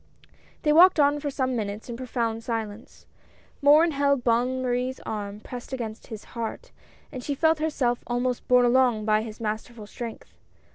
They walked on for some minutes in profound silence. Morin held Bonne Marie's arm pressed against his heart, and she felt herself almost borne along by his masterful strength.